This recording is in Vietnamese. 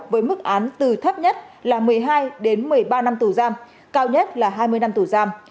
với mức án từ thấp nhất là một mươi hai đến một mươi ba năm tù giam cao nhất là hai mươi năm tù giam